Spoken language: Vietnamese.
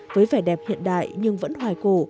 với vẻ đẹp hiện đại nhưng vẫn hoài cổ